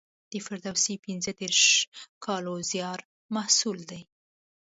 د فردوسي پنځه دېرش کالو زیار محصول دی.